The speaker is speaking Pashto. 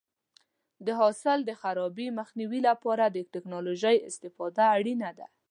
د حاصل د خرابي مخنیوي لپاره د ټکنالوژۍ استفاده اړینه ده.